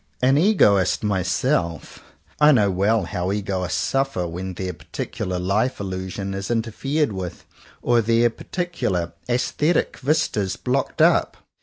An egoist myself, I know well how egoists suffer when their particular life illusion is interfered with, or their particular aesthetic vista blocked up.